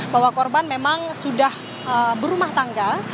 bahwa korban memang sudah berumah tangga